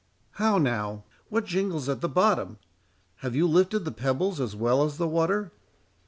—How now? what jingles at the bottom? have you lifted the pebbles as well as the water?"